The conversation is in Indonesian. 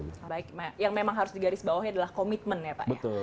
baik yang memang harus digarisbawahi adalah komitmen ya pak ya